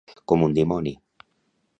Com un dimoni.